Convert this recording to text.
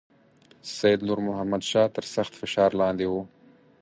سید نور محمد شاه تر سخت فشار لاندې وو.